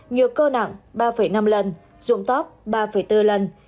nhược cơ nặng ba năm lần dụng tóc ba bốn lần